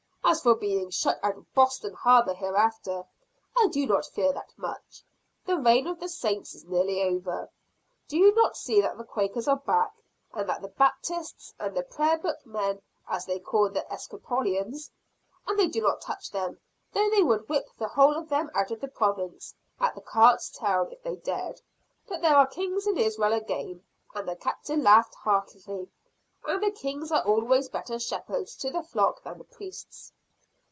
"As for being shut out of Boston harbor hereafter, I do not fear that much. The reign of the Saints is nearly over. Do you not see that the Quakers are back, and the Baptists, and the prayer book men, as they call the Episcopalians! and they do not touch them, though they would whip the whole of them out of the Province, at the cart's tail, if they dared. But there are Kings in Israel again!" and the Captain laughed heartily. "And the Kings are always better shepherds to the flock than the Priests."